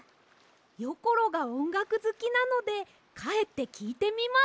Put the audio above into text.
よころがおんがくずきなのでかえってきいてみます！